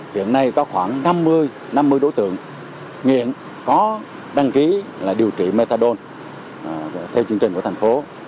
hiện nay có khoảng năm mươi năm mươi đối tượng nghiện có đăng ký điều trị methadone theo chương trình của thành phố